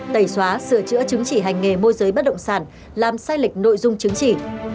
tẩy xóa sửa chữa chứng chỉ hành nghề môi giới bất động sản làm sai lệch nội dung chứng chỉ